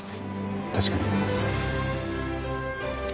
確かに。